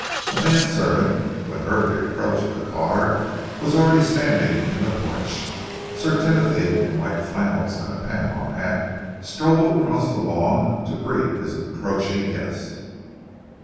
A man servant who had heard the approach of the car was already standing in the porch. Sir Timothy, in white flannels and a panama hat, strolled across the lawn to greet his approaching guest.